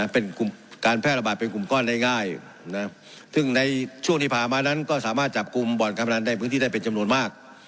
เป็นการแพร่ระบาดเป็นกลุ่มก้อนได้ง่ายซึ่งในช่วงที่ผ่านมานั้นก็สามารถจับกลุ่มบ่อนการพนันในพื้นที่ได้เป็นจำนวนมาก